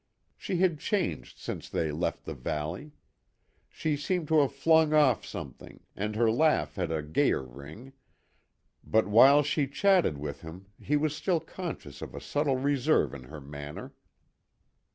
She had changed since they left the valley. She seemed to have flung off something, and her laugh had a gayer ring; but while she chatted with him he was still conscious of a subtle reserve in her manner.